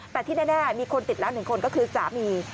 แต่ที่แน่มีคนติดแล้ว๑คนก็คือสามี